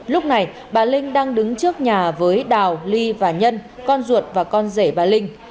lúc này bà linh đang đứng trước nhà với đào ly và nhân con ruột và con rể bà linh